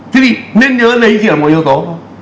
thế thì nên nhớ lấy một yếu tố